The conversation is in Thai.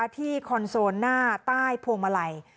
คอนโซลหน้าใต้พวงมาลัย